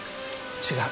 違う。